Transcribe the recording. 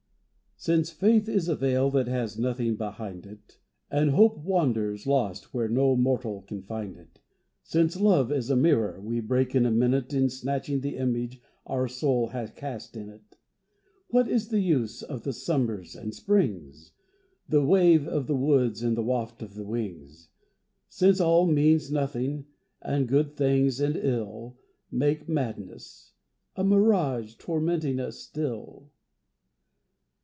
SINCE Faith is a veil that has nothing behind it, And Hope wanders lost where no mortal can find it, Since Love is a mirror we break in a minute In snatching the image our soul has cast in it, What is the use of the Summers and Springs, The wave of the woods and the waft of the wings Since all means nothing, and good things and ill Make madness, a mirage tormenting us still?